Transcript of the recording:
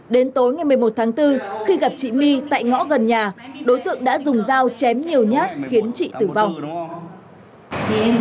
đến tối ngày một mươi một tháng bốn khi gặp chị my tại ngõ gần nhà đối tượng đã dùng dao chém nhiều nhát khiến chị tử vong